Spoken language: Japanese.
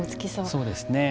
そうですね。